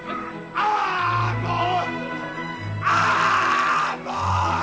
ああもう。